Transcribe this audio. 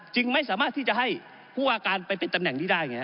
จึงไม่สามารถที่จะให้ผู้ว่าการไปเป็นตำแหน่งนี้ได้ไง